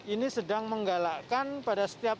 ini sedang menggalakkan pada setiap